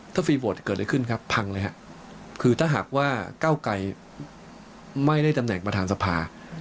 ถ้าฟรีโหวตเกิดอะไรขึ้นครับพังเลยครับคือถ้าหากว่าเก้าไกรไม่ได้ตำแหน่งประธานสภา